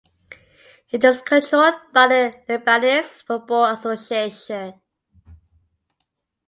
It is controlled by the Lebanese Football Association.